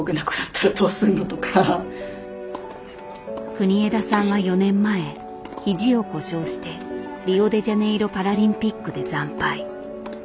国枝さんは４年前肘を故障してリオデジャネイロパラリンピックで惨敗。